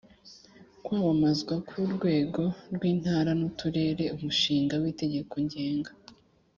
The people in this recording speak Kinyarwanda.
kwamamazwa ku rwego rw Intara n Uturere Umushinga w Itegeko ngenga